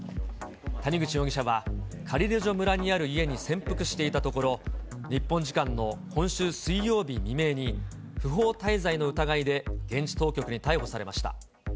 谷口容疑者は、カリレジョ村にある家に潜伏していたところ、日本時間の今週水曜日未明に、不法滞在の疑いで現地当局に逮捕されました。